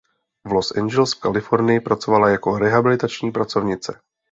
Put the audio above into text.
V Los Angeles v Kalifornii pracovala jako rehabilitační pracovnice.